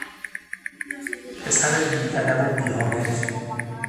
... پسر بیادب و بیهنری